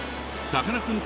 さかなクン」。